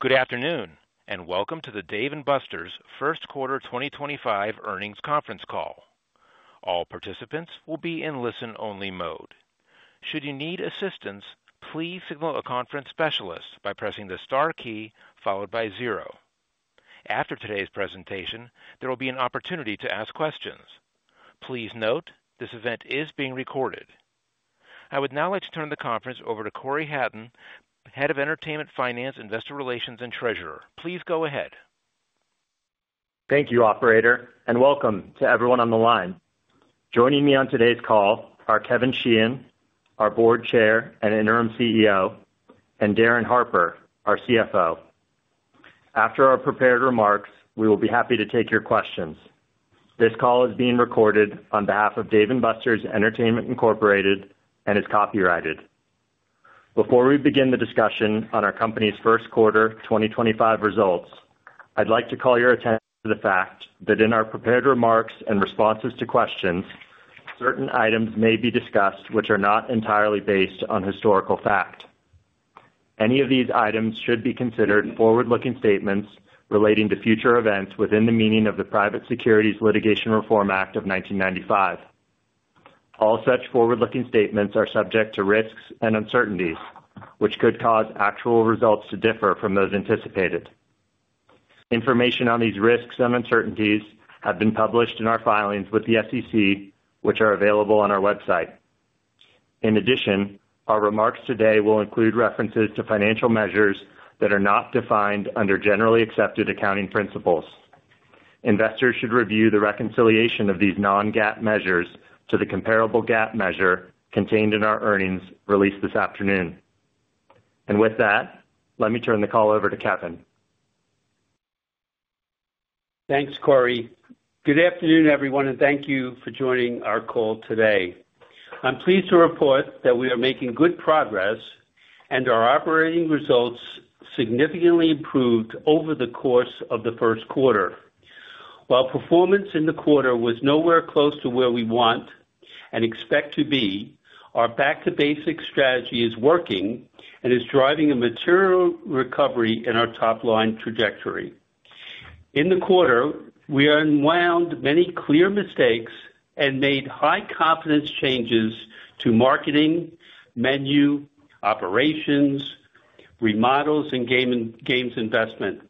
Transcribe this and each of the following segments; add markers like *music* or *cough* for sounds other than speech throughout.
Good afternoon, and welcome to the Dave & Buster's First Quarter 2025 Earnings Conference Call. All participants will be in listen-only mode. Should you need assistance, please signal a conference specialist by pressing the star key followed by zero. After today's presentation, there will be an opportunity to ask questions. Please note this event is being recorded. I would now like to turn the conference over to Cory Hatton, Head of Entertainment Finance, Investor Relations, and Treasurer. Please go ahead. Thank you, Operator, and welcome to everyone on the line. Joining me on today's call are Kevin Sheehan, our Board Chair and Interim CEO, and Darin Harper, our CFO. After our prepared remarks, we will be happy to take your questions. This call is being recorded on behalf of Dave & Buster's Entertainment and is copyrighted. Before we begin the discussion on our company's first quarter 2025 results, I'd like to call your attention to the fact that in our prepared remarks and responses to questions, certain items may be discussed which are not entirely based on historical fact. Any of these items should be considered forward-looking statements relating to future events within the meaning of the Private Securities Litigation Reform Act of 1995. All such forward-looking statements are subject to risks and uncertainties which could cause actual results to differ from those anticipated. Information on these risks and uncertainties have been published in our filings with the SEC, which are available on our website. In addition, our remarks today will include references to financial measures that are not defined under generally accepted accounting principles. Investors should review the reconciliation of these non-GAAP measures to the comparable GAAP measure contained in our earnings released this afternoon. With that, let me turn the call over to Kevin. Thanks, Cory. Good afternoon, everyone, and thank you for joining our call today. I'm pleased to report that we are making good progress and our operating results significantly improved over the course of the first quarter. While performance in the quarter was nowhere close to where we want and expect to be, our back-to-basic strategy is working and is driving a material recovery in our top-line trajectory. In the quarter, we unwound many clear mistakes and made high-confidence changes to marketing, menu, operations, remodels, and games investment.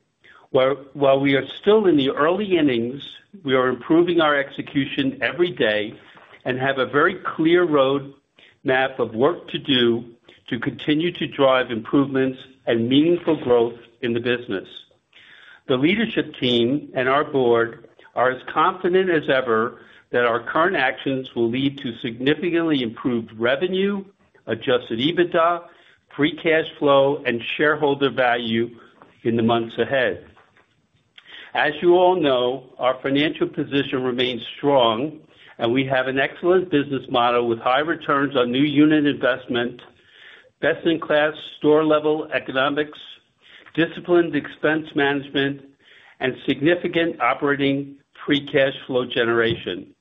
While we are still in the early innings, we are improving our execution every day and have a very clear roadmap of work to do to continue to drive improvements and meaningful growth in the business. The leadership team and our board are as confident as ever that our current actions will lead to significantly improved revenue, adjusted EBITDA, free cash flow, and shareholder value in the months ahead. As you all know, our financial position remains strong, and we have an excellent business model with high returns on new unit investment, best-in-class store-level economics, disciplined expense management, and significant operating free cash flow generation.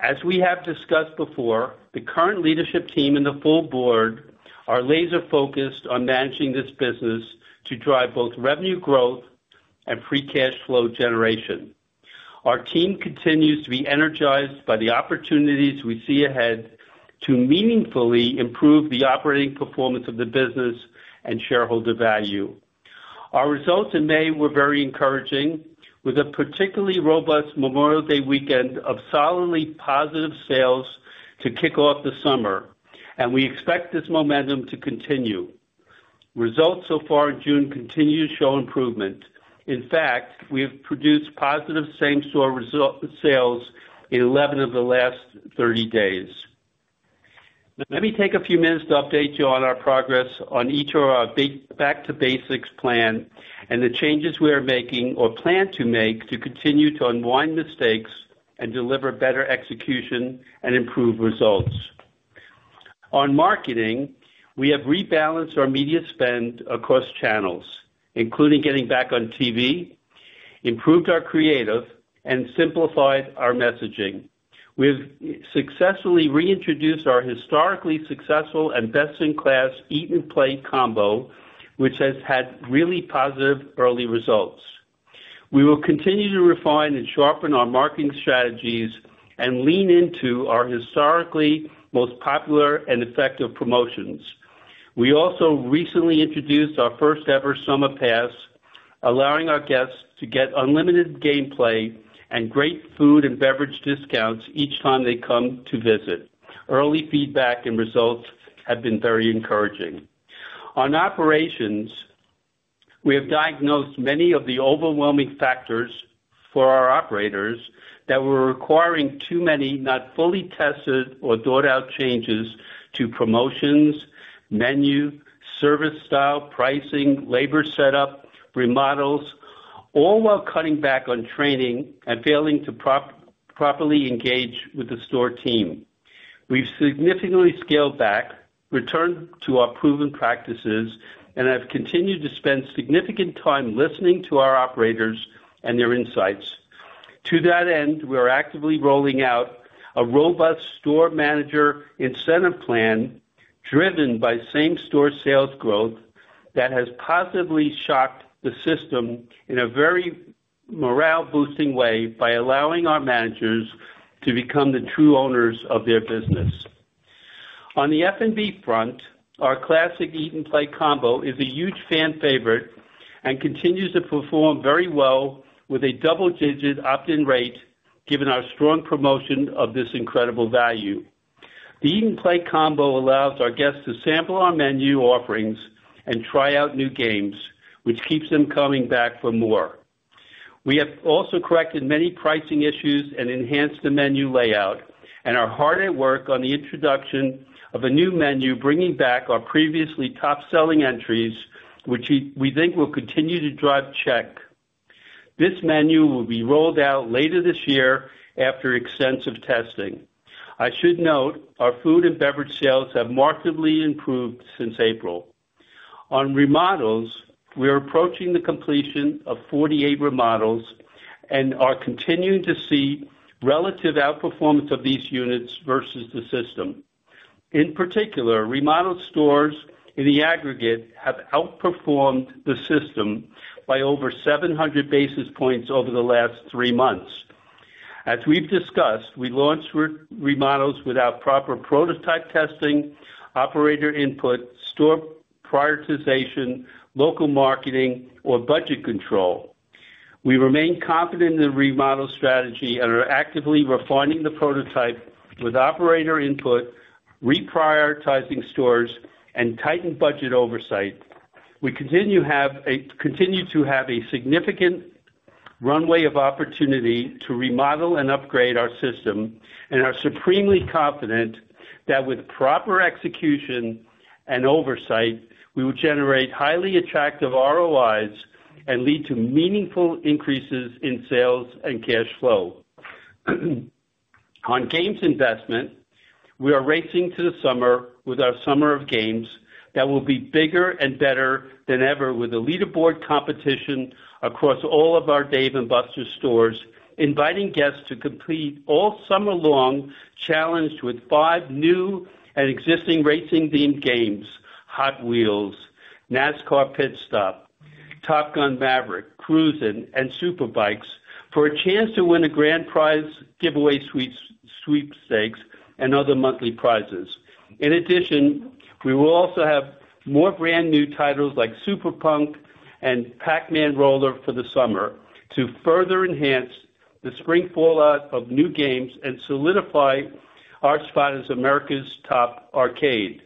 As we have discussed before, the current leadership team and the full board are laser-focused on managing this business to drive both revenue growth and free cash flow generation. Our team continues to be energized by the opportunities we see ahead to meaningfully improve the operating performance of the business and shareholder value. Our results in May were very encouraging, with a particularly robust Memorial Day weekend of solidly positive sales to kick off the summer, and we expect this momentum to continue. Results so far in June continue to show improvement. In fact, we have produced positive same-store sales in 11 of the last 30 days. Let me take a few minutes to update you on our progress on each of our back-to-basics plan and the changes we are making or plan to make to continue to unwind mistakes and deliver better execution and improved results. On marketing, we have rebalanced our media spend across channels, including getting back on TV, improved our creative, and simplified our messaging. We have successfully reintroduced our historically successful and best-in-class Eat-and-Play Combo, which has had really positive early results. We will continue to refine and sharpen our marketing strategies and lean into our historically most popular and effective promotions. We also recently introduced our first-ever Summer Pass, allowing our guests to get unlimited gameplay and great food and beverage discounts each time they come to visit. Early feedback and results have been very encouraging. On operations, we have diagnosed many of the overwhelming factors for our operators that were requiring too many not fully tested or thought-out changes to promotions, menu, service style, pricing, labor setup, remodels, all while cutting back on training and failing to properly engage with the store team. We've significantly scaled back, returned to our proven practices, and have continued to spend significant time listening to our operators and their insights. To that end, we are actively rolling out a robust store manager incentive plan driven by same-store sales growth that has positively shocked the system in a very morale-boosting way by allowing our managers to become the true owners of their business. On the F&B front, our classic Eat-and-Play Combo is a huge fan favorite and continues to perform very well with a double-digit opt-in rate given our strong promotion of this incredible value. The Eat-and-Play Combo allows our guests to sample our menu offerings and try out new games, which keeps them coming back for more. We have also corrected many pricing issues and enhanced the menu layout and are hard at work on the introduction of a new menu bringing back our previously top-selling entries, which we think will continue to drive check. This menu will be rolled out later this year after extensive testing. I should note our food and beverage sales have markedly improved since April. On remodels, we are approaching the completion of 48 remodels and are continuing to see relative outperformance of these units versus the system. In particular, remodeled stores in the aggregate have outperformed the system by over 700 basis points over the last three months. As we've discussed, we launched remodels without proper prototype testing, operator input, store prioritization, local marketing, or budget control. We remain confident in the remodel strategy and are actively refining the prototype with operator input, reprioritizing stores, and tightened budget oversight. We continue to have a significant runway of opportunity to remodel and upgrade our system, and are supremely confident that with proper execution and oversight, we will generate highly attractive ROIs and lead to meaningful increases in sales and cash flow. On games investment, we are racing to the summer with our summer of games that will be bigger and better than ever, with a Leaderboard competition across all of our Dave & Buster's stores, inviting guests to compete all summer long challenged with five new and existing racing-themed games: Hot Wheels, NASCAR Pit Stop, Top Gun: Maverick, Cruisin, and Superbikes for a chance to win a grand prize giveaway sweepstakes and other monthly prizes. In addition, we will also have more brand new titles like Superpunk and Pac-Man Roller for the summer to further enhance the spring fallout of new games and solidify our spot as America's top arcade.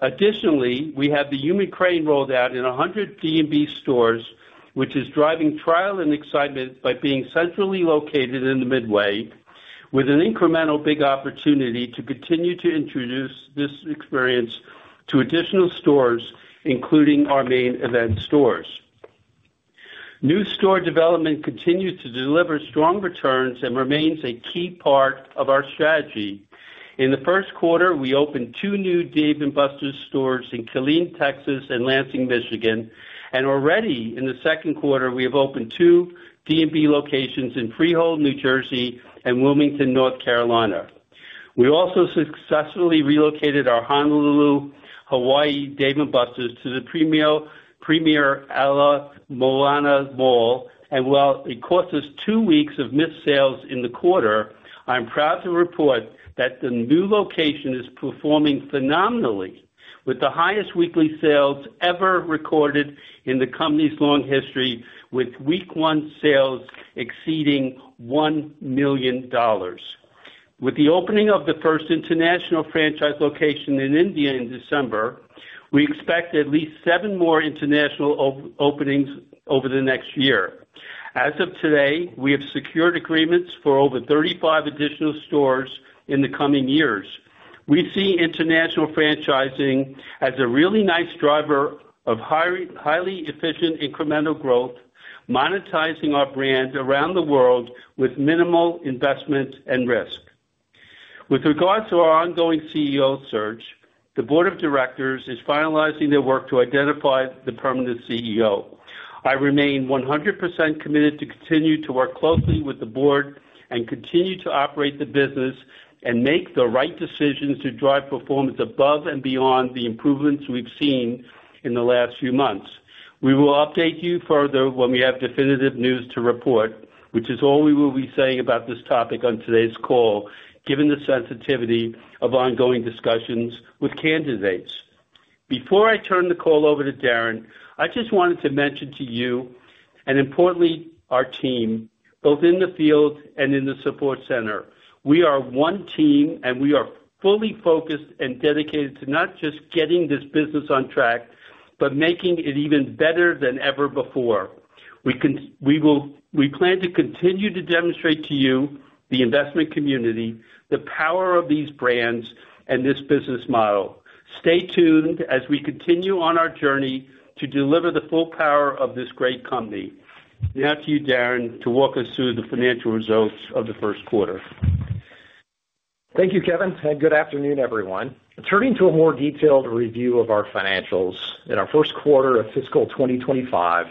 Additionally, we have the Human Crane rolled out in 100 Dave & Buster's stores, which is driving trial and excitement by being centrally located in the Midway, with an incremental big opportunity to continue to introduce this experience to additional stores, including our Main Event stores. New store development continues to deliver strong returns and remains a key part of our strategy. In the first quarter, we opened two new Dave & Buster's stores in Killeen, Texas, and Lansing, Michigan, and already in the second quarter, we have opened two Dave & Buster's locations in Freehold, New Jersey, and Wilmington, North Carolina. We also successfully relocated our Honolulu, Hawaii, Dave & Buster's to the Premier Ala Moana Mall, and while it cost us two weeks of missed sales in the quarter, I'm proud to report that the new location is performing phenomenally, with the highest weekly sales ever recorded in the company's long history, with week one sales exceeding $1 million. With the opening of the first international franchise location in India in December, we expect at least seven more international openings over the next year. As of today, we have secured agreements for over 35 additional stores in the coming years. We see international franchising as a really nice driver of highly efficient incremental growth, monetizing our brand around the world with minimal investment and risk. With regards to our ongoing CEO search, the Board of Directors is finalizing their work to identify the permanent CEO. I remain 100% committed to continue to work closely with the board and continue to operate the business and make the right decisions to drive performance above and beyond the improvements we've seen in the last few months. We will update you further when we have definitive news to report, which is all we will be saying about this topic on today's call, given the sensitivity of ongoing discussions with candidates. Before I turn the call over to Darin, I just wanted to mention to you and, importantly, our team, both in the field and in the support center. We are one team, and we are fully focused and dedicated to not just getting this business on track, but making it even better than ever before. We plan to continue to demonstrate to you, the investment community, the power of these brands, and this business model. Stay tuned as we continue on our journey to deliver the full power of this great company. Now to you, Darin, to walk us through the financial results of the first quarter. Thank you, Kevin, and good afternoon, everyone. Turning to a more detailed review of our financials, in our first quarter of fiscal 2025,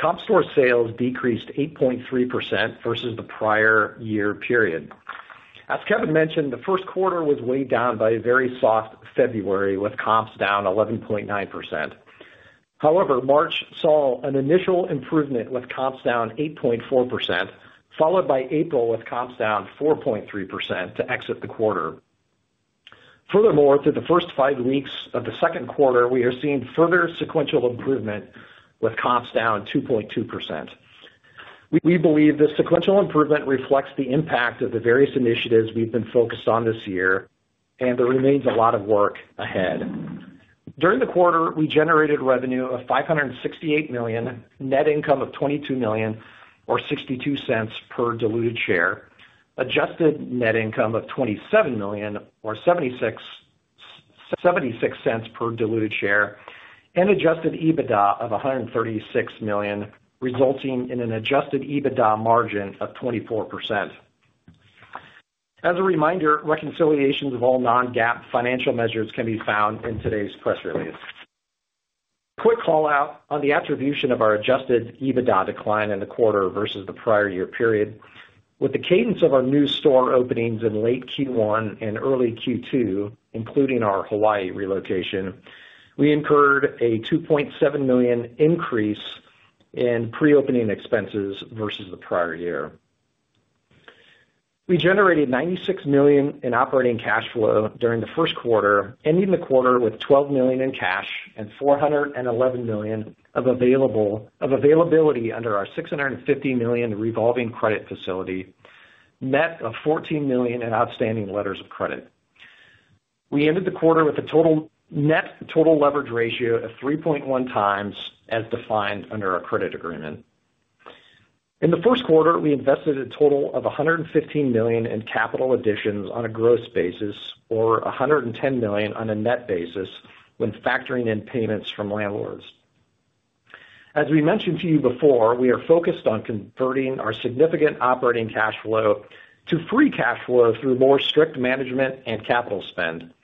comp store sales decreased 8.3% versus the prior year period. As Kevin mentioned, the first quarter was weighed down by a very soft February, with comps down 11.9%. However, March saw an initial improvement, with comps down 8.4%, followed by April with comps down 4.3% to exit the quarter. Furthermore, through the first five weeks of the second quarter, we are seeing further sequential improvement, with comps down 2.2%. We believe this sequential improvement reflects the impact of the various initiatives we've been focused on this year, and there remains a lot of work ahead. During the quarter, we generated revenue of $568 million, net income of $22 million or $0.62 per diluted share, adjusted net income of $27 million or $0.76 per diluted share, and adjusted EBITDA of $136 million, resulting in an adjusted EBITDA margin of 24%. As a reminder, reconciliations of all non-GAAP financial measures can be found in today's press release. Quick call-out on the attribution of our adjusted EBITDA decline in the quarter versus the prior year period. With the cadence of our new store openings in late Q1 and early Q2, including our Hawaii relocation, we incurred a $2.7 million increase in pre-opening expenses versus the prior year. We generated $96 million in operating cash flow during the first quarter, ending the quarter with $12 million in cash and $411 million of availability under our $650 million revolving credit facility, net of $14 million in outstanding letters of credit. We ended the quarter with a total net total leverage ratio of 3.1 times as defined under our credit agreement. In the first quarter, we invested a total of $115 million in capital additions on a gross basis or $110 million on a net basis when factoring in payments from landlords. As we mentioned to you before, we are focused on converting our significant operating cash flow to free cash flow through more strict management and capital spend,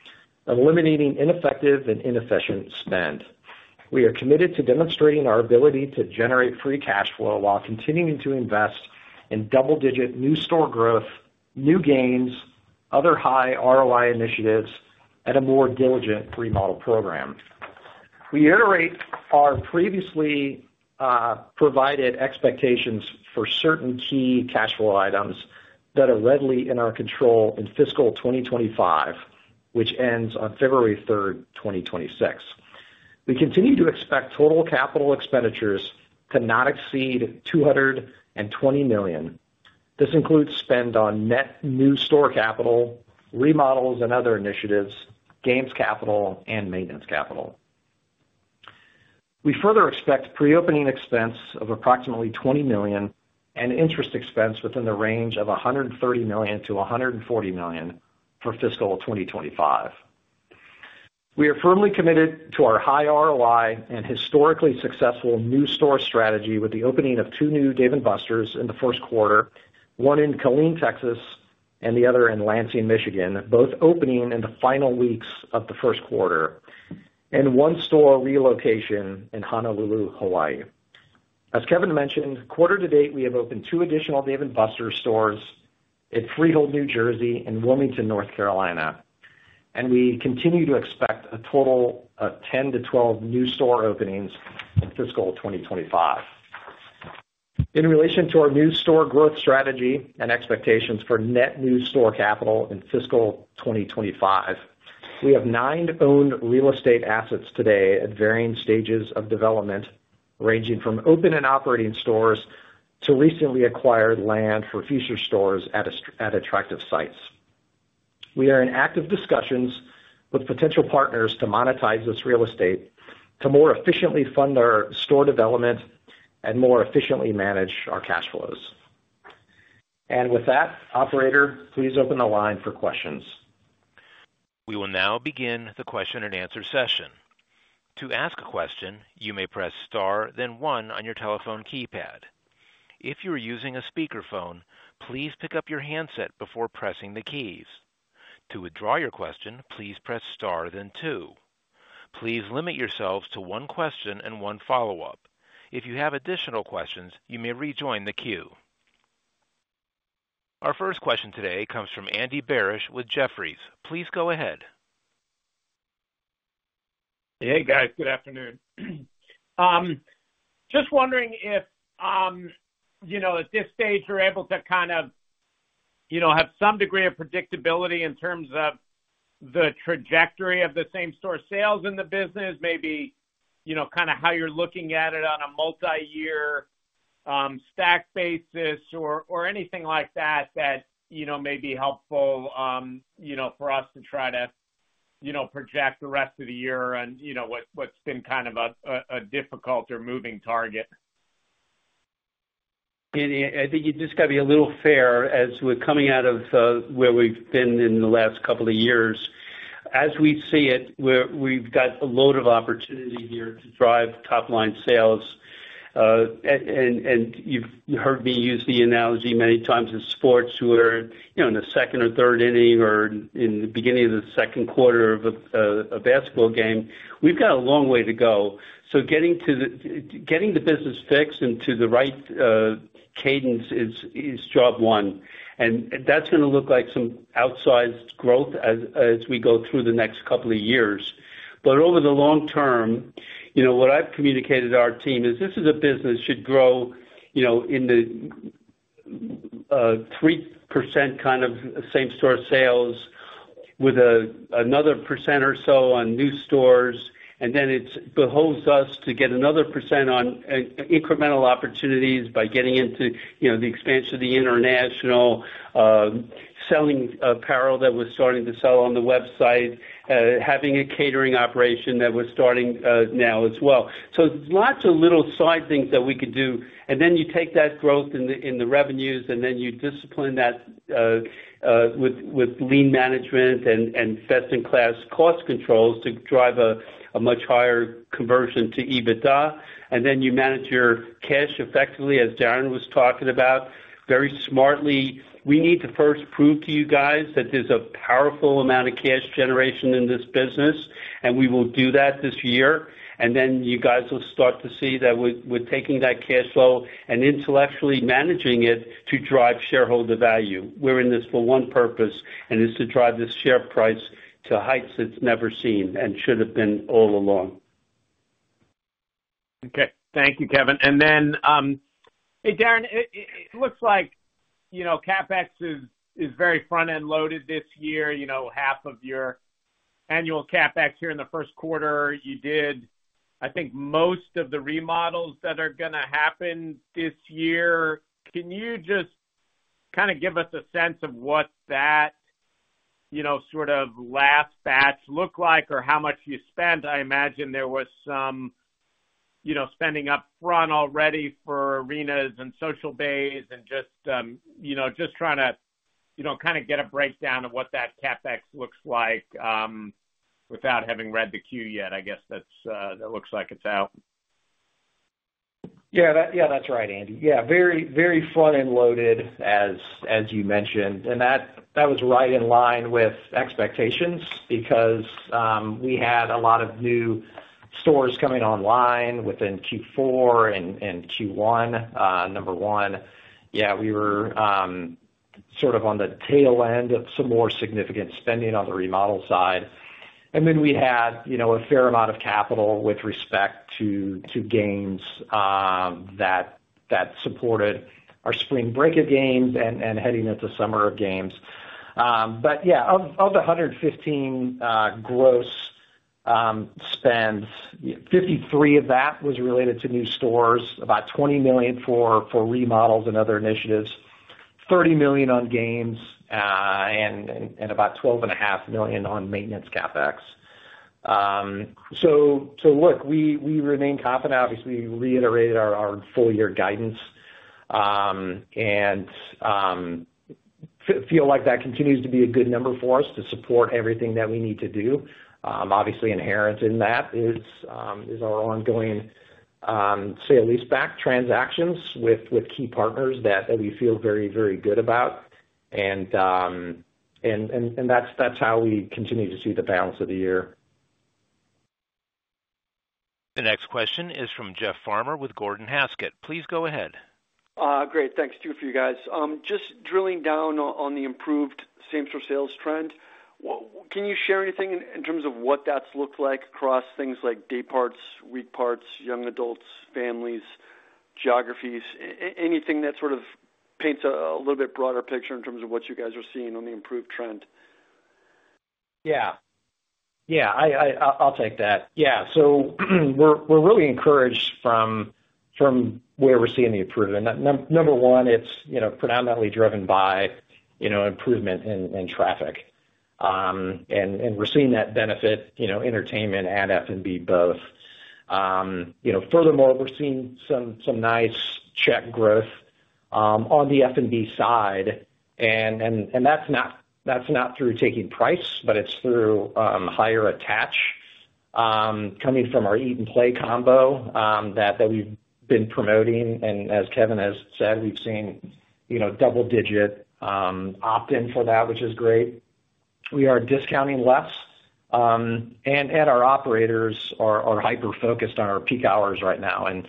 eliminating ineffective and inefficient spend. We are committed to demonstrating our ability to generate free cash flow while continuing to invest in double-digit new store growth, new games, other high ROI initiatives, and a more diligent remodel program. We iterate our previously provided expectations for certain key cash flow items that are readily in our control in fiscal 2025, which ends on February 3, 2026. We continue to expect total capital expenditures to not exceed $220 million. This includes spend on net new store capital, remodels and other initiatives, games capital, and maintenance capital. We further expect pre-opening expense of approximately $20 million and interest expense within the range of $130 million-$140 million for fiscal 2025. We are firmly committed to our high ROI and historically successful new store strategy with the opening of two new Dave & Buster's in the first quarter, one in Killeen, Texas, and the other in Lansing, Michigan, both opening in the final weeks of the first quarter, and one store relocation in Honolulu, Hawaii. As Kevin mentioned, quarter to date, we have opened two additional Dave & Buster's stores in Freehold, New Jersey, and Wilmington, North Carolina, and we continue to expect a total of 10-12 new store openings in fiscal 2025. In relation to our new store growth strategy and expectations for net new store capital in fiscal 2025, we have nine owned real estate assets today at varying stages of development, ranging from open and operating stores to recently acquired land for future stores at attractive sites. We are in active discussions with potential partners to monetize this real estate to more efficiently fund our store development and more efficiently manage our cash flows. With that, Operator, please open the line for questions. We will now begin the question and answer session. To ask a question, you may press Star, then One on your telephone keypad. If you are using a speakerphone, please pick up your handset before pressing the keys. To withdraw your question, please press Star, then Two. Please limit yourselves to one question and one follow-up. If you have additional questions, you may rejoin the queue. Our first question today comes from Andy Barish with Jefferies. Please go ahead. Hey, guys. Good afternoon. Just wondering if, at this stage, you're able to kind of have some degree of predictability in terms of the trajectory of the same store sales in the business, maybe kind of how you're looking at it on a multi-year stack basis or anything like that that may be helpful for us to try to project the rest of the year on what's been kind of a difficult or moving target. Andy, I think you just got to be a little fair as we're coming out of where we've been in the last couple of years. As we see it, we've got a load of opportunity here to drive top-line sales. You've heard me use the analogy many times in sports where in the second or third inning or in the beginning of the second quarter of a basketball game, we've got a long way to go. Getting the business fixed and to the right cadence is job one. That's going to look like some outsized growth as we go through the next couple of years. Over the long term, what I've communicated to our team is this is a business that should grow in the 3% kind of same store sales with another percent or so on new stores. It beholds us to get another % on incremental opportunities by getting into the expansion of the international selling apparel that we're starting to sell on the website, having a catering operation that we're starting now as well. Lots of little side things that we could do. You take that growth in the revenues, and then you discipline that with lean management and best-in-class cost controls to drive a much higher conversion to EBITDA. You manage your cash effectively, as Darin was talking about, very smartly. We need to first prove to you guys that there's a powerful amount of cash generation in this business, and we will do that this year. You guys will start to see that we're taking that cash flow and intellectually managing it to drive shareholder value. We're in this for one purpose, and it's to drive this share price to heights it's never seen and should have been all along. Okay. Thank you, Kevin. Hey, Darin, it looks like CapEx is very front-end loaded this year. Half of your annual CapEx here in the first quarter, you did, I think, most of the remodels that are going to happen this year. Can you just kind of give us a sense of what that sort of last batch looked like or how much you spent? I imagine there was some spending upfront already for arenas and social bays and just trying to kind of get a breakdown of what that CapEx looks like without having read the queue yet. I guess that looks like it's out. Yeah, that's right, Andy. Yeah, very front-end loaded, as you mentioned. That was right in line with expectations because we had a lot of new stores coming online within Q4 and Q1, number one. Yeah, we were sort of on the tail end of some more significant spending on the remodel side. Then we had a fair amount of capital with respect to games that supported our spring break of games and heading into summer of games. Yeah, of the $115 million gross spends, $53 million of that was related to new stores, about $20 million for remodels and other initiatives, $30 million on games, and about $12.5 million on maintenance CapEx. Look, we remain confident. Obviously, we reiterated our full-year guidance and feel like that continues to be a good number for us to support everything that we need to do. Obviously, inherent in that is our ongoing sale lease-back transactions with key partners that we feel very, very good about. That is how we continue to see the balance of the year. The next question is from Jeff Farmer with Gordon Haskett. Please go ahead. Great. Thanks, too, for you guys. Just drilling down on the improved same store sales trend, can you share anything in terms of what that's looked like across things like day parts, week parts, young adults, families, geographies, anything that sort of paints a little bit broader picture in terms of what you guys are seeing on the improved trend? Yeah. Yeah, I'll take that. Yeah. So we're really encouraged from where we're seeing the improvement. Number one, it's predominantly driven by improvement in traffic. We're seeing that benefit entertainment and F&B both. Furthermore, we're seeing some nice check growth on the F&B side. That's not through taking price, but it's through higher attach coming from our Eat-and-Play Combo that we've been promoting. As Kevin has said, we've seen double-digit opt-in for that, which is great. We are discounting less. Our operators are hyper-focused on our peak hours right now and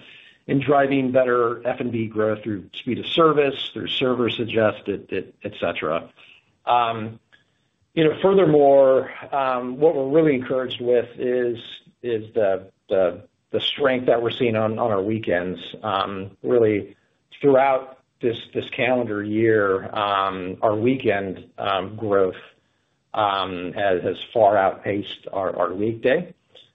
driving better F&B growth through speed of service, through server suggested, etc. Furthermore, what we're really encouraged with is the strength that we're seeing on our weekends. Really, throughout this calendar year, our weekend growth has far outpaced our weekday.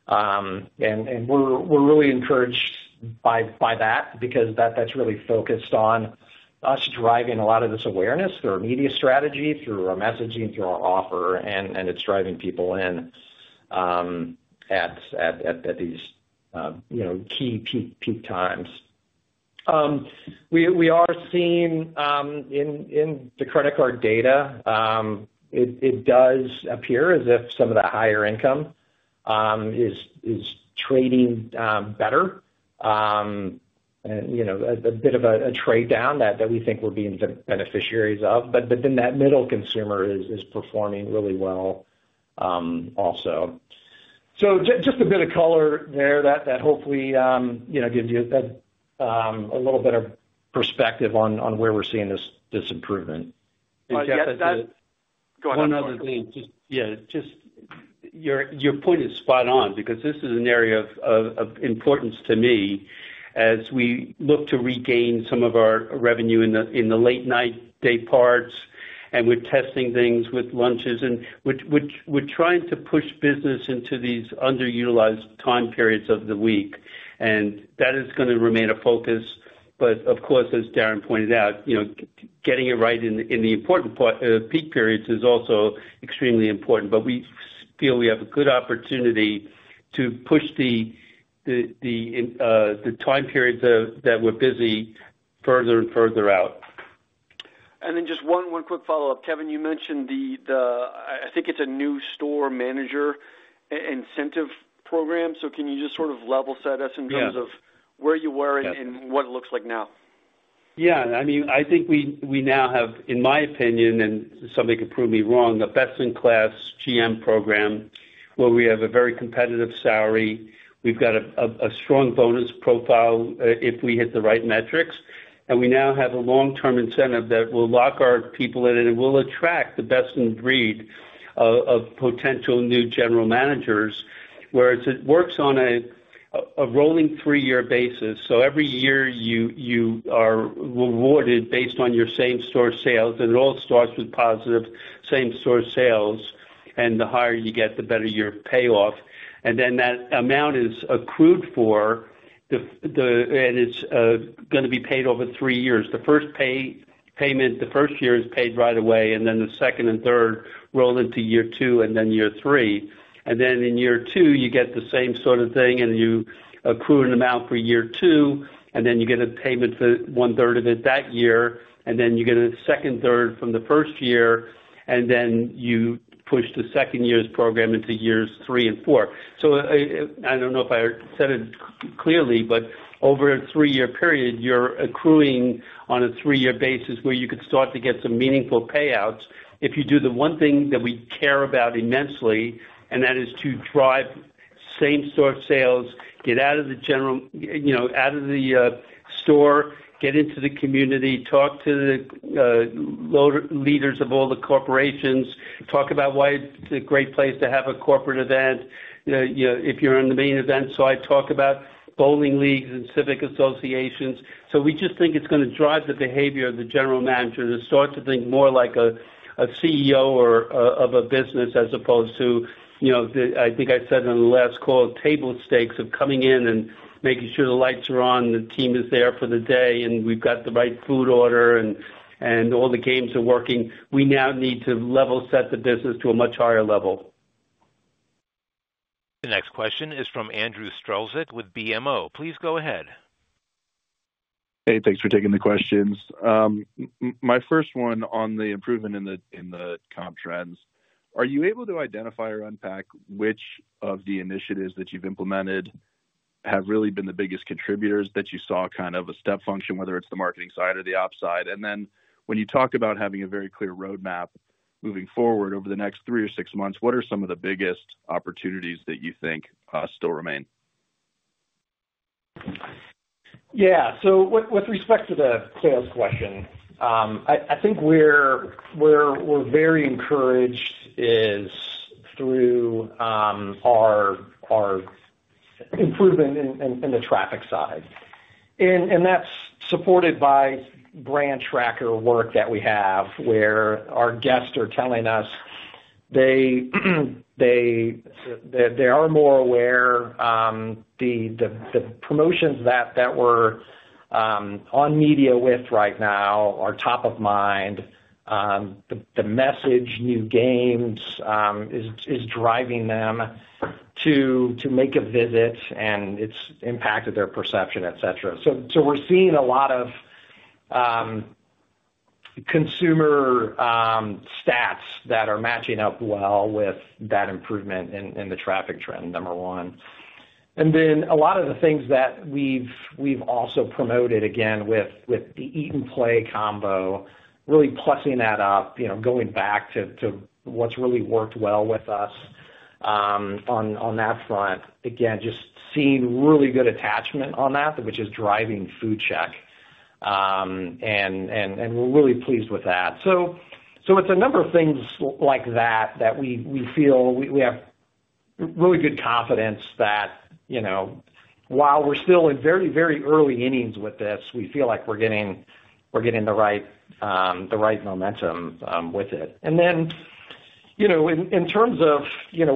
We are really encouraged by that because that is really focused on us driving a lot of this awareness through our media strategy, through our messaging, through our offer, and it is driving people in at these key peak times. We are seeing in the credit card data, it does appear as if some of that higher income is trading better, a bit of a trade-down that we think we are being beneficiaries of. That middle consumer is performing really well also. Just a bit of color there that hopefully gives you a little bit of perspective on where we are seeing this improvement. I guess that. Go ahead. One other thing. Yeah, just your point is spot on because this is an area of importance to me as we look to regain some of our revenue in the late-night day parts. We're testing things with lunches. We're trying to push business into these underutilized time periods of the week. That is going to remain a focus. Of course, as Darin pointed out, getting it right in the important peak periods is also extremely important. We feel we have a good opportunity to push the time periods that we're busy further and further out. Just one quick follow-up. Kevin, you mentioned the, I think it's a new store manager incentive program. Can you just sort of level set us in terms of where you were and what it looks like now? Yeah. I mean, I think we now have, in my opinion, and somebody can prove me wrong, a best-in-class GM program where we have a very competitive salary. We have got a strong bonus profile if we hit the right metrics. We now have a long-term incentive that will lock our people in and will attract the best in breed of potential new general managers where it works on a rolling three-year basis. Every year you are rewarded based on your same store sales. It all starts with positive same store sales. The higher you get, the better your payoff. That amount is accrued for, and it is going to be paid over three years. The first payment, the first year is paid right away, and the second and third roll into year two and then year three. In year two, you get the same sort of thing, and you accrue an amount for year two. You get a payment for one-third of it that year. You get a second third from the first year. You push the second year's program into years three and four. I do not know if I said it clearly, but over a three-year period, you are accruing on a three-year basis where you could start to get some meaningful payouts if you do the one thing that we care about immensely, and that is to drive same store sales, get out of the store, get into the community, talk to the leaders of all the corporations, talk about why it is a great place to have a corporate event if you are in the Main Event. I talk about bowling leagues and civic associations. We just think it's going to drive the behavior of the general manager to start to think more like a CEO of a business as opposed to, I think I said on the last call, table stakes of coming in and making sure the lights are on, the team is there for the day, and we've got the right food order, and all the games are working. We now need to level set the business to a much higher level. The next question is from Andrew Strelzyk with BMO. Please go ahead. Hey, thanks for taking the questions. My first one on the improvement in the comp trends, are you able to identify or unpack which of the initiatives that you've implemented have really been the biggest contributors that you saw kind of a step function, whether it's the marketing side or the ops side? When you talk about having a very clear roadmap moving forward over the next three or six months, what are some of the biggest opportunities that you think still remain? Yeah. With respect to the sales question, I think we're very encouraged through our improvement in the traffic side. That's supported by brand tracker work that we have where our guests are telling us they are more aware. The promotions that we're on media with right now are top of mind. The message, new games, is driving them to make a visit, and it's impacted their perception, etc. We're seeing a lot of consumer stats that are matching up well with that improvement in the traffic trend, number one. A lot of the things that we've also promoted, again, with the Eat-and-Play Combo, really plussing that up, going back to what's really worked well with us on that front. Again, just seeing really good attachment on that, which is driving food check. We're really pleased with that. It is a number of things like that that we feel we have really good confidence that while we are still in very, very early innings with this, we feel like we are getting the right momentum with it. In terms of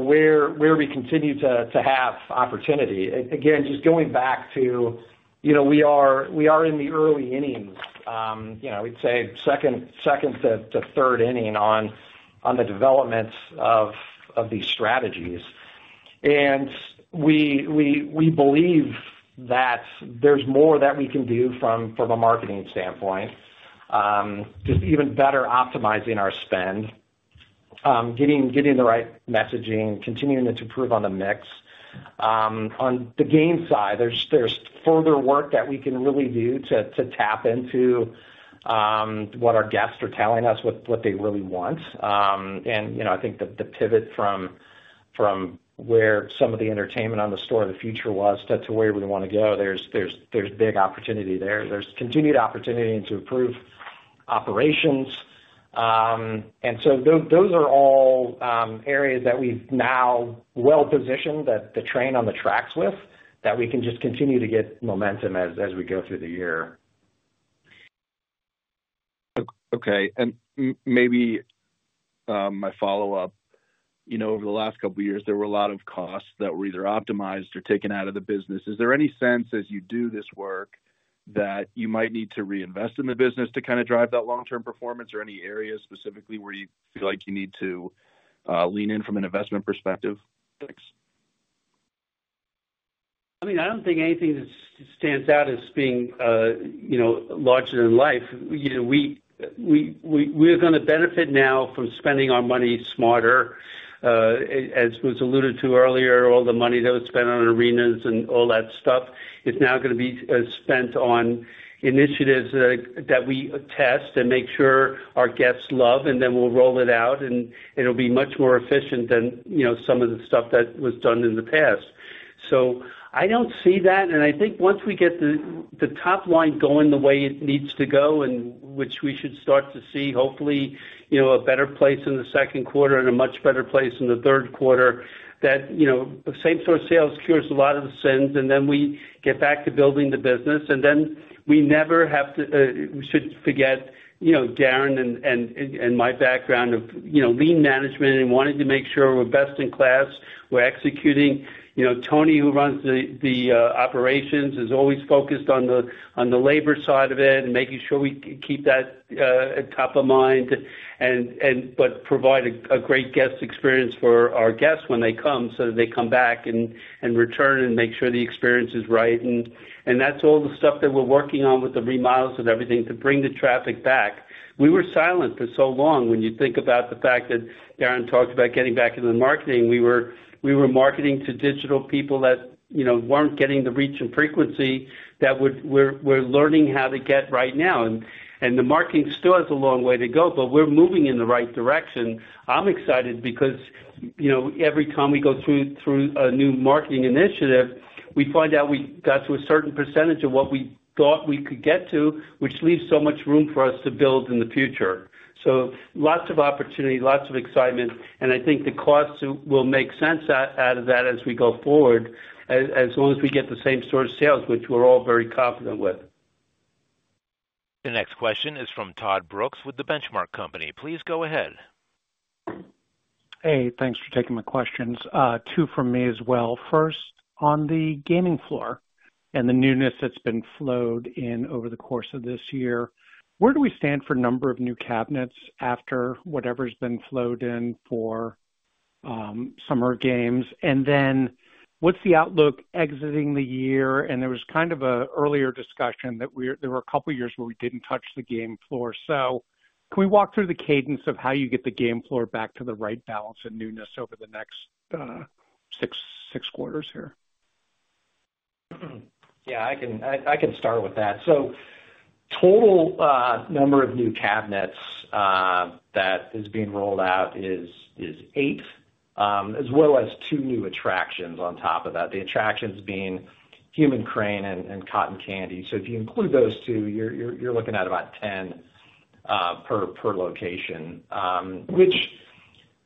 where we continue to have opportunity, again, just going back to we are in the early innings, I would say second to third inning on the development of these strategies. We believe that there is more that we can do from a marketing standpoint, just even better optimizing our spend, getting the right messaging, continuing to improve on the mix. On the game side, there is further work that we can really do to tap into what our guests are telling us, what they really want. I think the pivot from where some of the entertainment on the store of the future was to where we want to go, there's big opportunity there. There's continued opportunity to improve operations. Those are all areas that we've now well-positioned the train on the tracks with that we can just continue to get momentum as we go through the year. Okay. Maybe my follow-up. Over the last couple of years, there were a lot of costs that were either optimized or taken out of the business. Is there any sense, as you do this work, that you might need to reinvest in the business to kind of drive that long-term performance or any areas specifically where you feel like you need to lean in from an investment perspective? Thanks. I mean, I don't think anything that stands out as being larger than life. We are going to benefit now from spending our money smarter. As was alluded to earlier, all the money that was spent on arenas and all that stuff is now going to be spent on initiatives that we test and make sure our guests love. Then we'll roll it out, and it'll be much more efficient than some of the stuff that was done in the past. I don't see that. I think once we get the top line going the way it needs to go, which we should start to see, hopefully, a better place in the second quarter and a much better place in the third quarter, that same store sales cures a lot of the sins, and then we get back to building the business. We never have to, we shouldn't forget Darin and my background of lean management and wanting to make sure we're best in class, we're executing. Tony, who runs the operations, is always focused on the labor side of it and making sure we keep that top of mind, but provide a great guest experience for our guests when they come so that they come back and return and make sure the experience is right. That's all the stuff that we're working on with the remodels and everything to bring the traffic back. We were silent for so long when you think about the fact that Darin talked about getting back into the marketing. We were marketing to digital people that weren't getting the reach and frequency that we're learning how to get right now. The marketing still has a long way to go, but we're moving in the right direction. I'm excited because every time we go through a new marketing initiative, we find out we got to a certain % of what we thought we could get to, which leaves so much room for us to build in the future. Lots of opportunity, lots of excitement. I think the costs will make sense out of that as we go forward as long as we get the same sort of sales, which we're all very confident with. The next question is from Todd Brooks with The Benchmark Company. Please go ahead. Hey, thanks for taking my questions. Two from me as well. First, on the gaming floor and the newness that's been flowed in over the course of this year, where do we stand for number of new cabinets after whatever's been flowed in for summer games? What's the outlook exiting the year? There was kind of an earlier discussion that there were a couple of years where we didn't touch the game floor. Can we walk through the cadence of how you get the game floor back to the right balance and newness over the next six quarters here? Yeah, I can start with that. Total number of new cabinets that is being rolled out is eight, as well as two new attractions on top of that, the attractions being Human Crane and cotton candy. If you include those two, you're looking at about 10 per location, which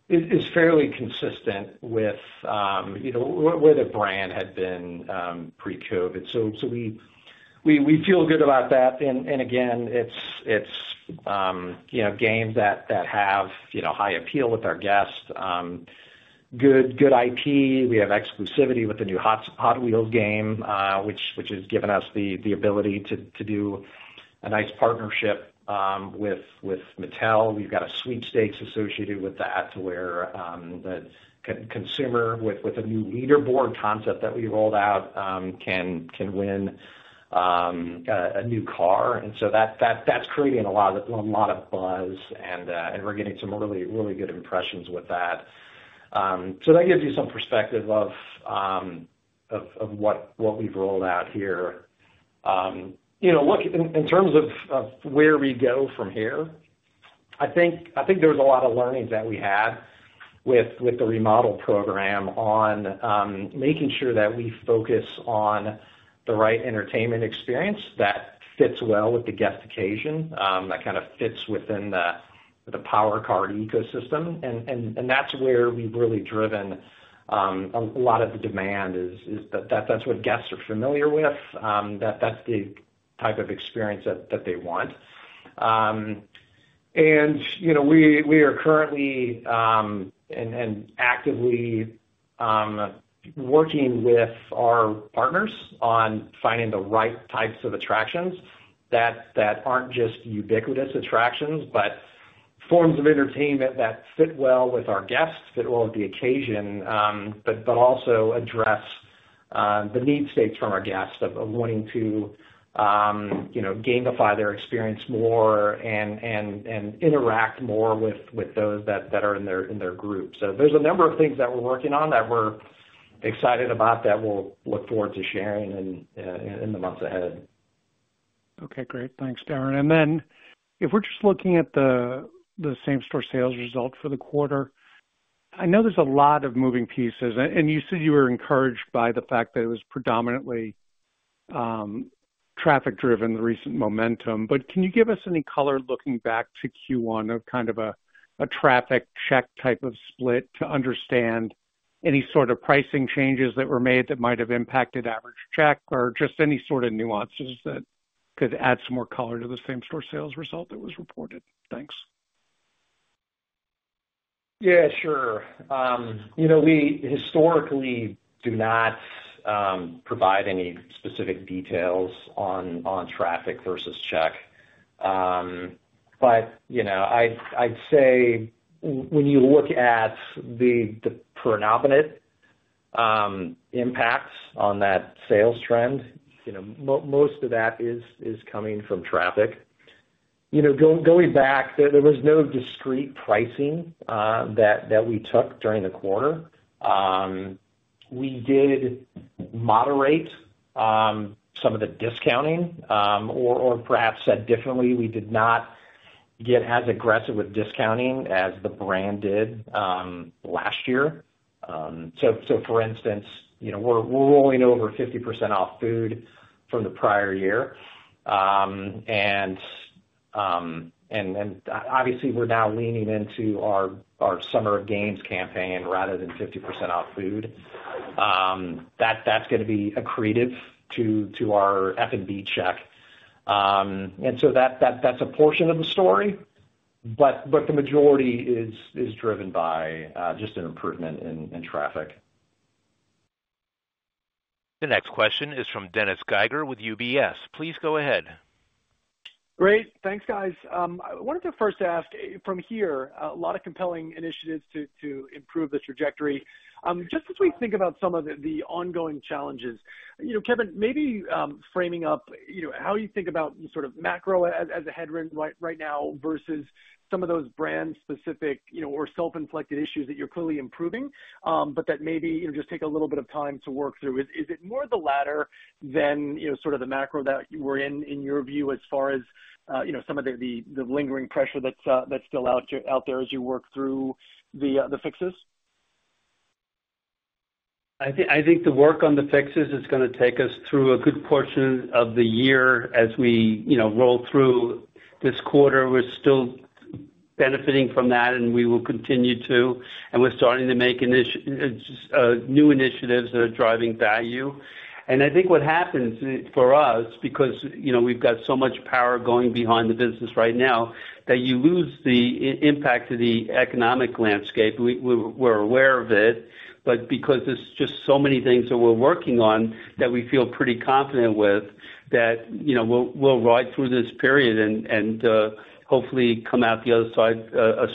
is fairly consistent with where the brand had been pre-COVID. We feel good about that. Again, it's games that have high appeal with our guests, good IP. We have exclusivity with the new Hot Wheels game, which has given us the ability to do a nice partnership with Mattel. We've got a sweepstakes associated with that to where the consumer, with a new leaderboard concept that we rolled out, can win a new car. That is creating a lot of buzz, and we're getting some really, really good impressions with that. That gives you some perspective of what we've rolled out here. Look, in terms of where we go from here, I think there was a lot of learnings that we had with the remodel program on making sure that we focus on the right entertainment experience that fits well with the guest occasion, that kind of fits within the Power Card ecosystem. That's where we've really driven a lot of the demand is that that's what guests are familiar with, that that's the type of experience that they want. We are currently and actively working with our partners on finding the right types of attractions that are not just ubiquitous attractions, but forms of entertainment that fit well with our guests, fit well with the occasion, but also address the need states from our guests of wanting to gamify their experience more and interact more with those that are in their group. There are a number of things that we are working on that we are excited about that we will look forward to sharing in the months ahead. Okay, great. Thanks, Darin. If we're just looking at the same store sales result for the quarter, I know there's a lot of moving pieces. You said you were encouraged by the fact that it was predominantly traffic-driven, the recent momentum. Can you give us any color looking back to Q1 of kind of a traffic check type of split to understand any sort of pricing changes that were made that might have impacted average check or just any sort of nuances that could add some more color to the same store sales result that was reported? Thanks. Yeah, sure. We historically do not provide any specific details on traffic versus check. I'd say when you look at the predominant impacts on that sales trend, most of that is coming from traffic. Going back, there was no discrete pricing that we took during the quarter. We did moderate some of the discounting or perhaps said differently, we did not get as aggressive with discounting as the brand did last year. For instance, we're rolling over 50% off food from the prior year. Obviously, we're now leaning into our summer of games campaign rather than 50% off food. That's going to be accretive to our F&B check. That's a portion of the story, but the majority is driven by just an improvement in traffic. The next question is from Dennis Geiger with UBS. Please go ahead. Great. Thanks, guys. I wanted to first ask from here, a lot of compelling initiatives to improve the trajectory. Just as we think about some of the ongoing challenges, Kevin, maybe framing up how you think about sort of macro as a headwind right now versus some of those brand-specific or self-inflicted issues that you're clearly improving, but that maybe just take a little bit of time to work through. Is it more the latter than sort of the macro that we're in, in your view, as far as some of the lingering pressure that's still out there as you work through the fixes? I think the work on the fixes is going to take us through a good portion of the year as we roll through this quarter. We're still benefiting from that, and we will continue to. We're starting to make new initiatives that are driving value. I think what happens for us, because we've got so much power going behind the business right now, is that you lose the impact of the economic landscape. We're aware of it, but because there are just so many things that we're working on, we feel pretty confident that we'll ride through this period and hopefully come out the other side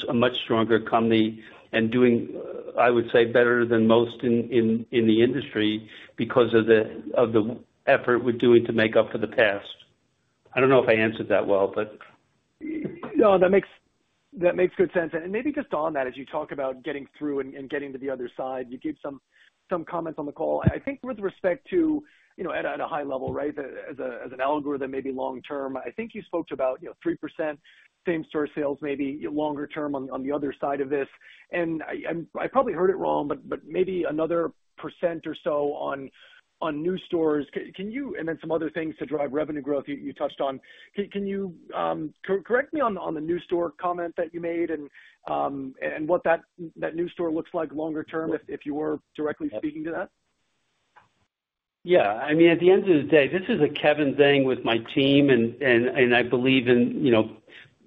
a much stronger company and doing, I would say, better than most in the industry because of the effort we're doing to make up for the past. I don't know if I answered that well, but. No, that makes good sense. Maybe just on that, as you talk about getting through and getting to the other side, you gave some comments on the call. I think with respect to at a high level, right, as an algorithm, maybe long-term, I think you spoke to about 3% same store sales maybe longer term on the other side of this. I probably heard it wrong, but maybe another percent or so on new stores. Then some other things to drive revenue growth you touched on. Can you correct me on the new store comment that you made and what that new store looks like longer term if you were directly speaking to that? Yeah. I mean, at the end of the day, this is a Kevin thing with my team, and I believe in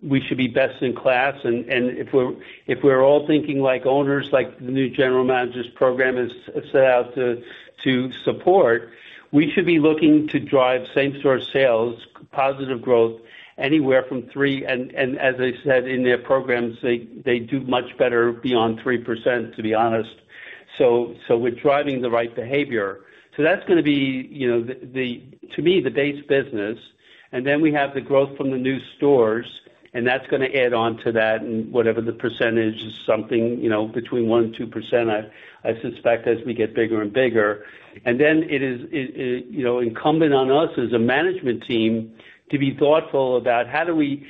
we should be best in class. If we're all thinking like owners, like the new general managers program is set out to support, we should be looking to drive same store sales, positive growth anywhere from 3%. As I said, in their programs, they do much better beyond 3%, to be honest. We're driving the right behavior. That's going to be, to me, the base business. Then we have the growth from the new stores, and that's going to add on to that in whatever the percentage is, something between 1-2%, I suspect, as we get bigger and bigger. It is incumbent on us as a management team to be thoughtful about how do we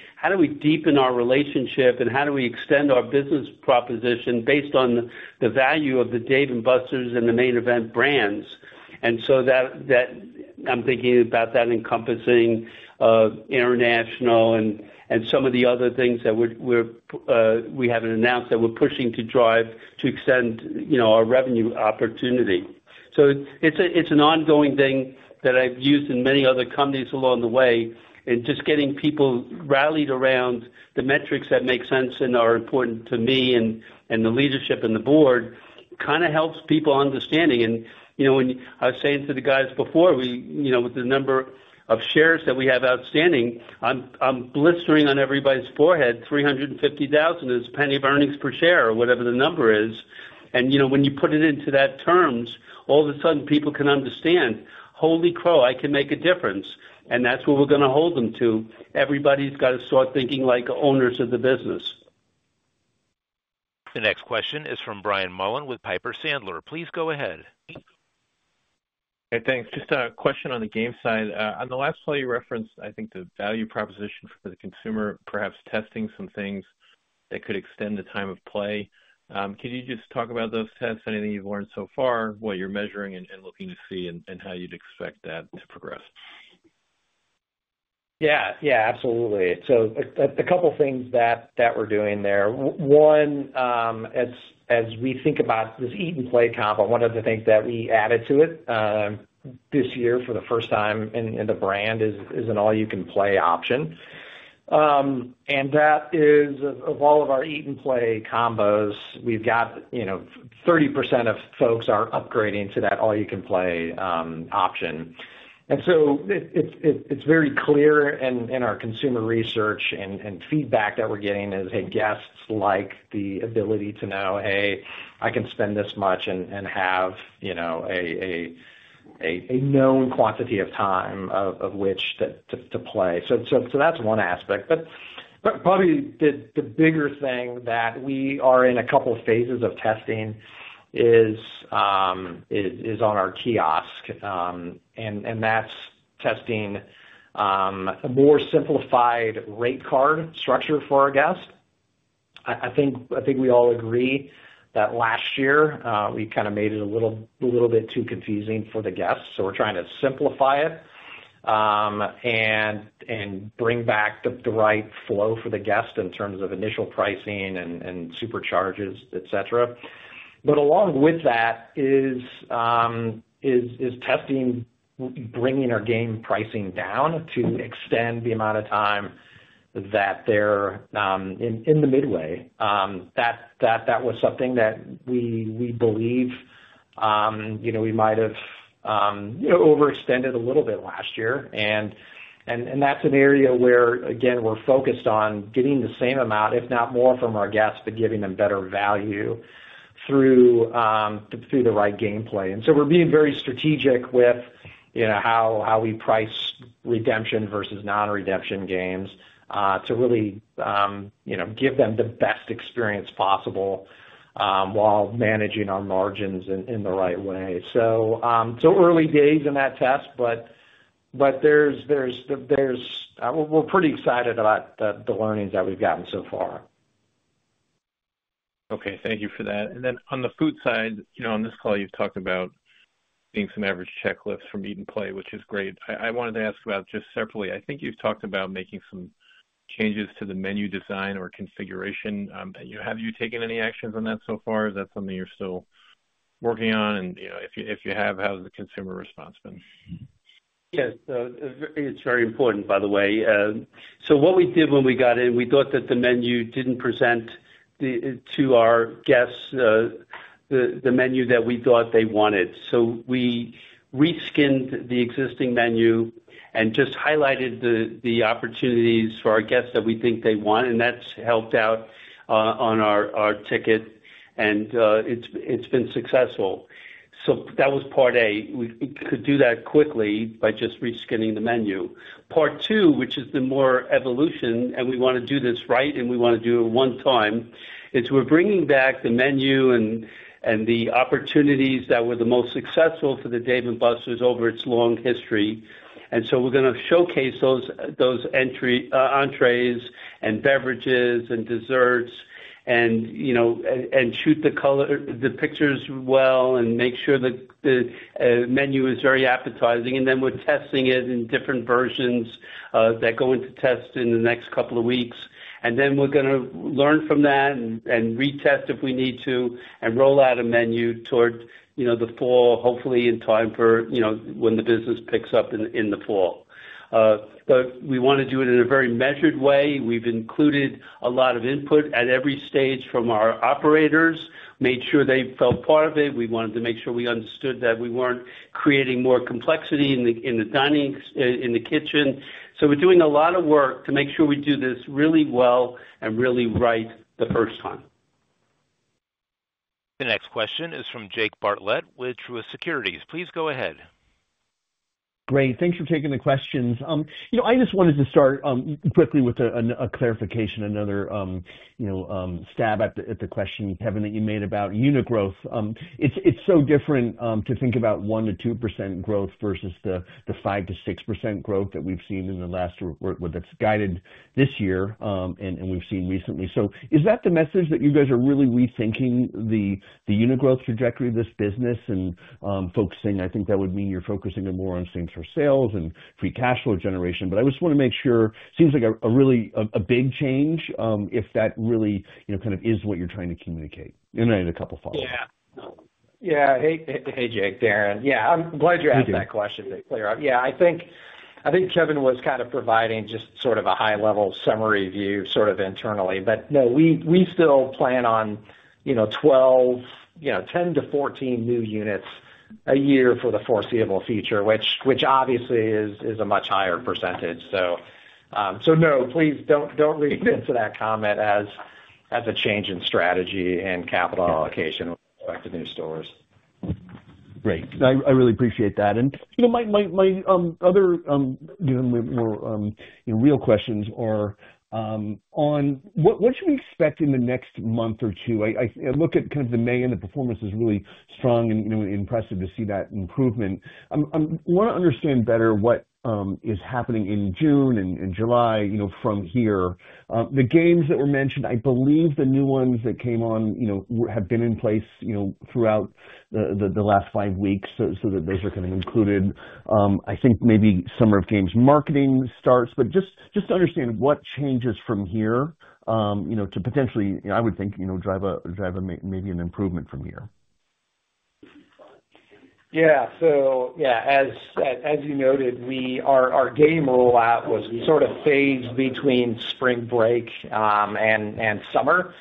deepen our relationship and how do we extend our business proposition based on the value of the Dave & Buster's and the Main Event brands. I'm thinking about that encompassing international and some of the other things that we haven't announced that we're pushing to drive to extend our revenue opportunity. It's an ongoing thing that I've used in many other companies along the way. Just getting people rallied around the metrics that make sense and are important to me and the leadership and the board kind of helps people understanding. I was saying to the guys before, with the number of shares that we have outstanding, I'm blistering on everybody's forehead. $350,000 is plenty of earnings per share or whatever the number is. When you put it into that terms, all of a sudden, people can understand, "Holy crow. I can make a difference." That is what we are going to hold them to. Everybody's got to start thinking like owners of the business. The next question is from Brian Mullan with Piper Sandler. Please go ahead. Hey, thanks. Just a question on the game side. On the last slide, you referenced, I think, the value proposition for the consumer, perhaps testing some things that could extend the time of play. Could you just talk about those tests, anything you've learned so far, what you're measuring and looking to see, and how you'd expect that to progress? Yeah, yeah, absolutely. A couple of things that we're doing there. One, as we think about this Eat-and-Play Combo, one of the things that we added to it this year for the first time in the brand is an all-you-can-play option. Of all of our Eat-and-Play Combos, we've got 30% of folks upgrading to that all-you-can-play option. It is very clear in our consumer research and feedback that we're getting is, hey, guests like the ability to know, "Hey, I can spend this much and have a known quantity of time of which to play." That's one aspect. Probably the bigger thing that we are in a couple of phases of testing is on our kiosk. That's testing a more simplified rate card structure for our guests. I think we all agree that last year, we kind of made it a little bit too confusing for the guests. We are trying to simplify it and bring back the right flow for the guests in terms of initial pricing and supercharges, etc. Along with that is testing, bringing our game pricing down to extend the amount of time that they're in the midway. That was something that we believe we might have overextended a little bit last year. That is an area where, again, we're focused on getting the same amount, if not more from our guests, but giving them better value through the right gameplay. We are being very strategic with how we price redemption versus non-redemption games to really give them the best experience possible while managing our margins in the right way. Early days in that test, but we're pretty excited about the learnings that we've gotten so far. Okay. Thank you for that. On the food side, on this call, you've talked about seeing some average check lifts from Eat-and-Play, which is great. I wanted to ask about just separately, I think you've talked about making some changes to the menu design or configuration. Have you taken any actions on that so far? Is that something you're still working on? If you have, how has the consumer response been? Yes. It's very important, by the way. What we did when we got in, we thought that the menu did not present to our guests the menu that we thought they wanted. We reskinned the existing menu and just highlighted the opportunities for our guests that we think they want. That has helped out on our ticket. It has been successful. That was part A. We could do that quickly by just reskinning the menu. Part two, which is the more evolution, and we want to do this right, and we want to do it one time, is we are bringing back the menu and the opportunities that were the most successful for Dave & Buster's over its long history. We are going to showcase those entrées and beverages and desserts and shoot the pictures well and make sure the menu is very appetizing. We're testing it in different versions that go into test in the next couple of weeks. We're going to learn from that and retest if we need to and roll out a menu toward the fall, hopefully in time for when the business picks up in the fall. We want to do it in a very measured way. We've included a lot of input at every stage from our operators, made sure they felt part of it. We wanted to make sure we understood that we weren't creating more complexity in the dining, in the kitchen. We're doing a lot of work to make sure we do this really well and really right the first time. The next question is from Jake Bartlett with Truist Securities. Please go ahead. Great. Thanks for taking the questions. I just wanted to start quickly with a clarification, another stab at the question, Kevin, that you made about unit growth. It's so different to think about 1-2% growth versus the 5-6% growth that we've seen in the last or that's guided this year and we've seen recently. Is that the message that you guys are really rethinking the unit growth trajectory of this business and focusing? I think that would mean you're focusing more on same store sales and free cash flow generation. I just want to make sure it seems like a really big change if that really kind of is what you're trying to communicate. I had a couple of follow-ups. Yeah. Yeah. *crosstalk* Hey, Jake, Darin. Yeah. I'm glad you asked that question to clear up. Yeah. I think Kevin was kind of providing just sort of a high-level summary view sort of internally. No, we still plan on 10-14 new units a year for the foreseeable future, which obviously is a much higher percentage. No, please don't read into that comment as a change in strategy and capital allocation with respect to new stores. Great. I really appreciate that. My other more real questions are on what should we expect in the next month or two? I look at kind of the May, and the performance is really strong and impressive to see that improvement. I want to understand better what is happening in June and July from here. The games that were mentioned, I believe the new ones that came on have been in place throughout the last five weeks, so those are kind of included. I think maybe summer of games marketing starts. Just to understand what changes from here to potentially, I would think, drive maybe an improvement from here. Yeah. So yeah, as you noted, our game rollout was sort of phased between spring break and summer.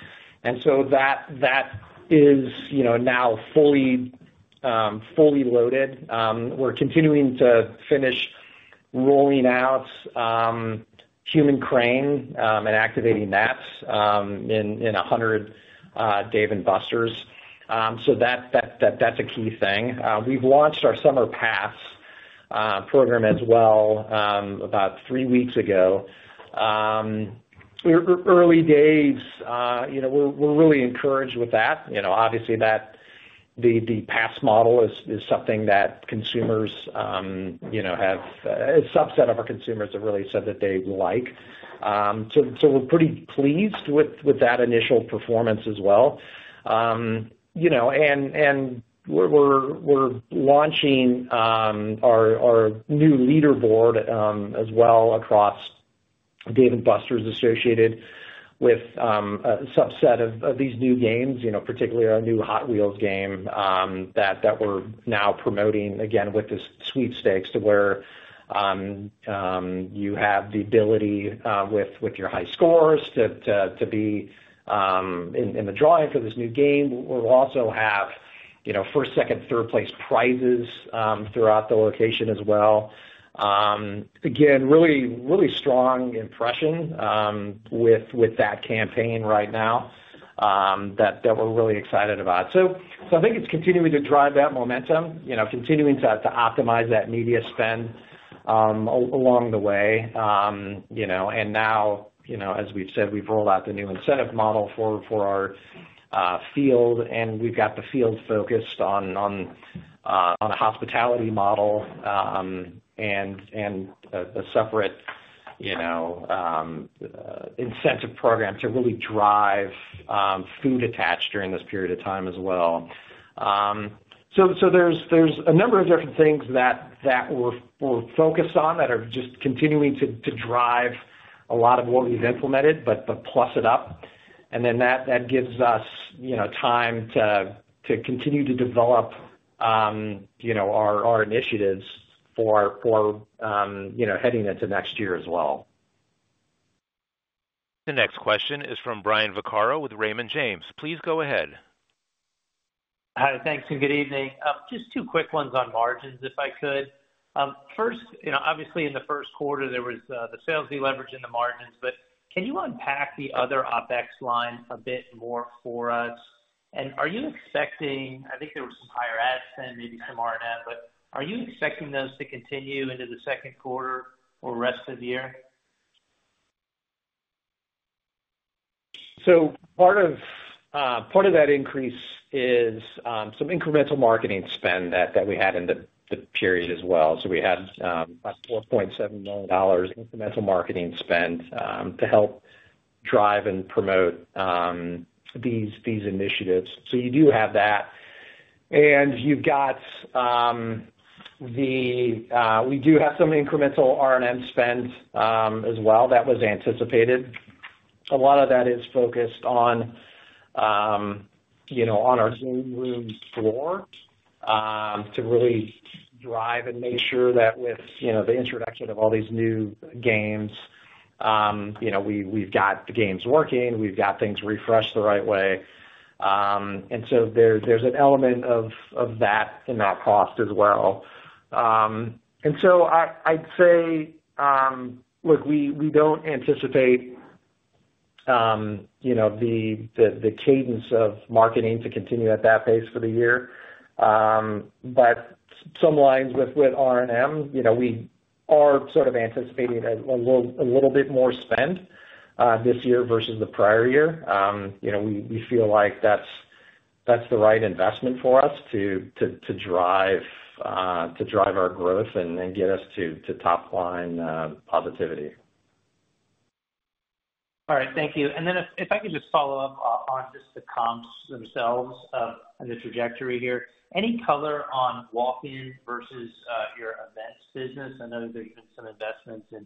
That is now fully loaded. We're continuing to finish rolling out Human Crane and activating that in 100 Dave & Buster's. That's a key thing. We've launched our Summer Pass program as well about three weeks ago. Early days, we're really encouraged with that. Obviously, the pass model is something that consumers, a subset of our consumers, have really said that they like. We're pretty pleased with that initial performance as well. We're launching our new leaderboard as well across Dave & Buster's associated with a subset of these new games, particularly our new Hot Wheels game that we're now promoting, again, with this sweepstakes to where you have the ability with your high scores to be in the drawing for this new game. We'll also have first, second, third place prizes throughout the location as well. Again, really strong impression with that campaign right now that we're really excited about. I think it's continuing to drive that momentum, continuing to optimize that media spend along the way. Now, as we've said, we've rolled out the new incentive model for our field, and we've got the field focused on a hospitality model and a separate incentive program to really drive food attached during this period of time as well. There's a number of different things that we're focused on that are just continuing to drive a lot of what we've implemented, but plus it up. That gives us time to continue to develop our initiatives for heading into next year as well. The next question is from Brian Vaccaro with Raymond James. Please go ahead. Hi, thanks. And good evening. Just two quick ones on margins, if I could. First, obviously, in the first quarter, there was the sales we leveraged in the margins, but can you unpack the other OpEx line a bit more for us? And are you expecting I think there was some higher ad spend, maybe some R&M, but are you expecting those to continue into the second quarter or rest of the year? Part of that increase is some incremental marketing spend that we had in the period as well. We had about $4.7 million incremental marketing spend to help drive and promote these initiatives. You do have that. We do have some incremental R&M spend as well. That was anticipated. A lot of that is focused on our game room floor to really drive and make sure that with the introduction of all these new games, we have the games working, we have things refreshed the right way. There is an element of that in our cost as well. I'd say, look, we do not anticipate the cadence of marketing to continue at that pace for the year. Some lines with R&M, we are sort of anticipating a little bit more spend this year versus the prior year. We feel like that's the right investment for us to drive our growth and get us to top-line positivity. All right. Thank you. If I could just follow up on just the comps themselves and the trajectory here. Any color on walk-in versus your events business? I know there's been some investments in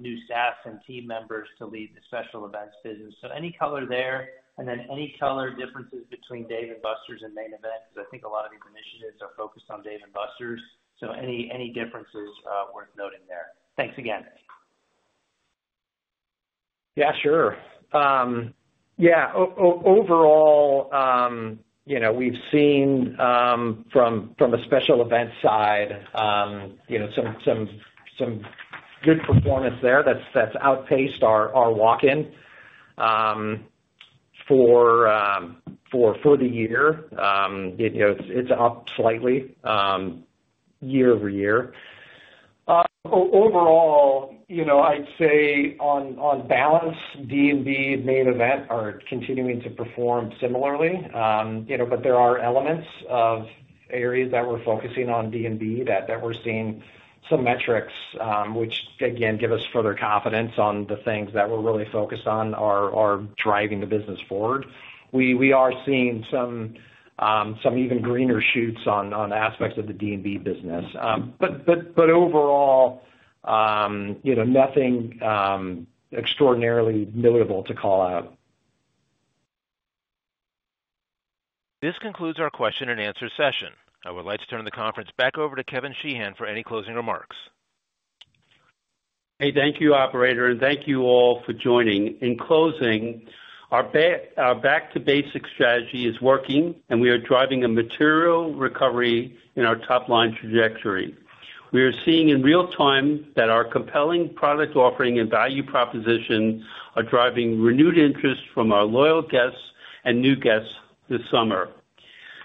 new staff and team members to lead the special events business. Any color there? Any color differences between Dave & Buster's and Main Event? I think a lot of these initiatives are focused on Dave & Buster's. Any differences worth noting there? Thanks again. Yeah, sure. Yeah. Overall, we've seen from the special events side some good performance there that's outpaced our walk-in for the year. It's up slightly year over year. Overall, I'd say on balance, D&B and Main Event are continuing to perform similarly. There are elements of areas that we're focusing on D&B that we're seeing some metrics which, again, give us further confidence on the things that we're really focused on are driving the business forward. We are seeing some even greener shoots on aspects of the D&B business. Overall, nothing extraordinarily notable to call out. This concludes our question and answer session. I would like to turn the conference back over to Kevin Sheehan for any closing remarks. Hey, thank you, Operator. Thank you all for joining. In closing, our back-to-basic strategy is working, and we are driving a material recovery in our top-line trajectory. We are seeing in real time that our compelling product offering and value proposition are driving renewed interest from our loyal guests and new guests this summer.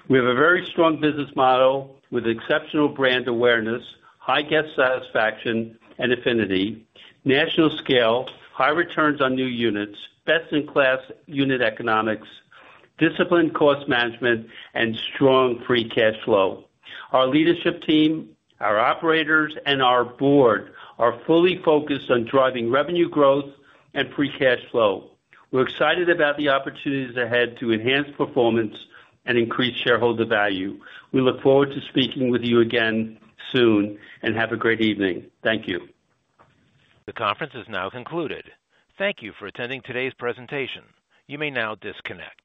We have a very strong business model with exceptional brand awareness, high guest satisfaction and affinity, national scale, high returns on new units, best-in-class unit economics, disciplined cost management, and strong free cash flow. Our leadership team, our operators, and our board are fully focused on driving revenue growth and free cash flow. We're excited about the opportunities ahead to enhance performance and increase shareholder value. We look forward to speaking with you again soon, and have a great evening. Thank you. The conference is now concluded. Thank you for attending today's presentation. You may now disconnect.